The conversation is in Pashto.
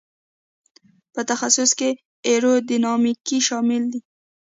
په تخصص کې ایرو ډینامیک شامل دی.